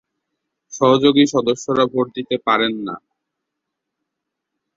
সহযোগী সদস্যরা ভোট দিতে পারেন না।